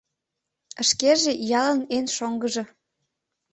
Шкеже — ялын эн шоҥгыжо.